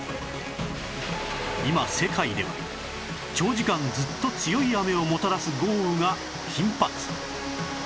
今世界では長時間ずっと強い雨をもたらす豪雨が頻発！